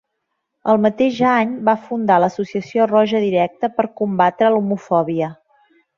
El mateix any va fundar l'associació Roja Directa per combatre l'homofòbia.